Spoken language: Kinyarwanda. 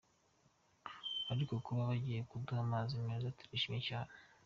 Ariko kuba bagiye kuduha amazi meza turishimye cyane.